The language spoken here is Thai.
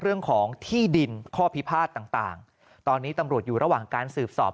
เรื่องของที่ดินข้อพิพาทต่างตอนนี้ตำรวจอยู่ระหว่างการสืบสอบ